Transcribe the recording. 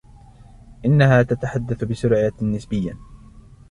إنها تتحدث بسرعة نسبياً.